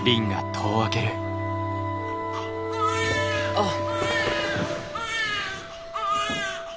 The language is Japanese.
・あっ。